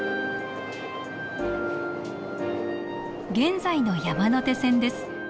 現在の山手線です。